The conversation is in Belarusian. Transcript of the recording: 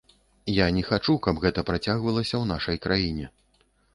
Я не хачу, каб гэта працягвалася ў нашай краіне.